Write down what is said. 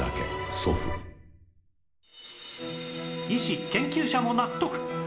医師・研究者も納得！